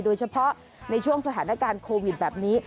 โดยเฉพาะในช่วงสถานการณ์โควิดแบบนี้